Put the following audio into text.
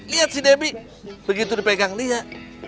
lihat si debby begitu dipegang liat